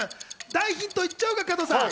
大ヒントいっちゃおうか加藤さん！